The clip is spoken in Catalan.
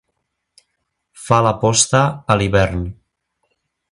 Fa la posta a l'hivern.